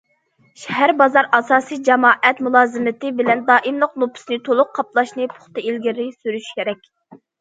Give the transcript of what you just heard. شەھەر، بازار ئاساسىي جامائەت مۇلازىمىتى بىلەن دائىملىق نوپۇسنى تولۇق قاپلاشنى پۇختا ئىلگىرى سۈرۈش كېرەك.